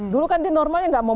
dulu kan dia normalnya nggak mau